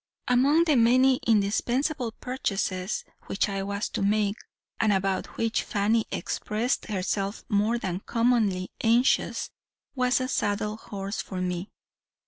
"Among the many indispensable purchases which I was to make, and about which Fanny expressed herself more than commonly anxious, was a saddle horse for me.